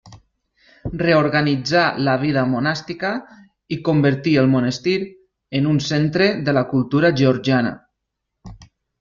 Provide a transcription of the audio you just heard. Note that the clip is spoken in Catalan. Reorganitzà la vida monàstica i convertí el monestir en un centre de la cultura georgiana.